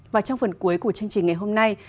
và trong phần cuối của chương trình ngày hôm nay